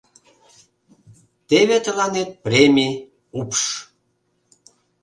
— Теве тыланет премий — упш.